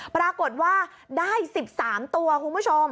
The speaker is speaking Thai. ปรากฏว่าได้๑๓ตัวคุณผู้ชม